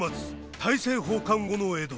大政奉還後の江戸。